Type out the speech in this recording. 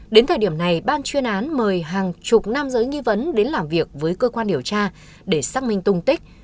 đến thời điểm này ban chuyên án mời hàng chục nam giới nghi vấn đến làm việc với cơ quan điều tra để xác minh tung tích